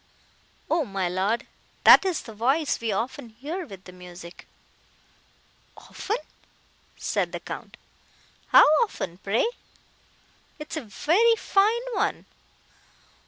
"O my Lord! that is the voice we often hear with the music." "Often!" said the Count, "How often, pray? It is a very fine one."